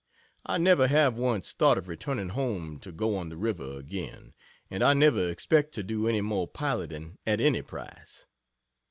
I never have once thought of returning home to go on the river again, and I never expect to do any more piloting at any price.